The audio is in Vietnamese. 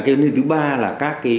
điều thứ ba là các cái